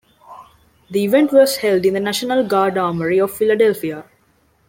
The event was held in the National Guard Armory of Philadelphia.